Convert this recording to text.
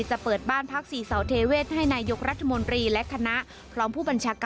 จะเปิดบ้านพักษีสาวเทเวศให้นายยกรัฐมนตรีและคณะ